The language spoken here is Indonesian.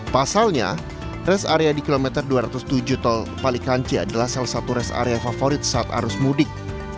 pasalnya rest area di kilometer dua ratus tujuh tol palikanci adalah salah satu rest area favorit saat arus mudik